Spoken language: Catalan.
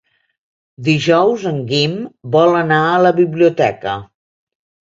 Dijous en Guim vol anar a la biblioteca.